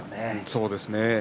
そうですね。